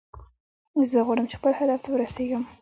زه غواړم چې خپل هدف ته ورسیږم